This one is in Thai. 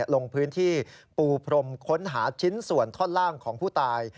ลงพื้นที่ปูพรมค้นหาชิ้นส่วนท่อนล่างของผู้ตาย